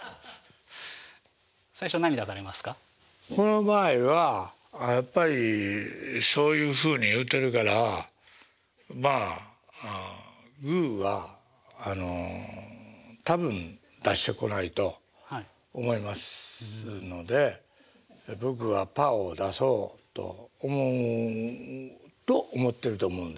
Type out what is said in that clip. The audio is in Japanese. この場合はやっぱりそういうふうに言うてるからまあグーは多分出してこないと思いますので僕はパーを出そうと思ってると思うんですよ。